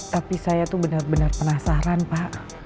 tapi saya tuh benar benar penasaran pak